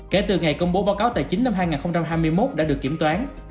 kể từ ngày công bố báo cáo tài chính năm hai nghìn hai mươi một đã được kiểm toán